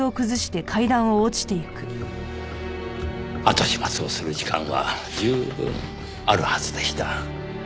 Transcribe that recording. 後始末をする時間は十分あるはずでした。